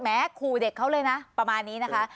ขู่เด็กเขาเลยนะประมาณนี้นะคะ